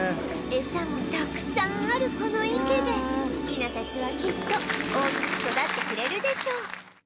エサもたくさんあるこの池でヒナたちはきっと大きく育ってくれるでしょう